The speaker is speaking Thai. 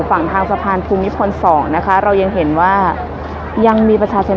ฝั่งทางสะพานภูมิพลสองนะคะเรายังเห็นว่ายังมีประชาชน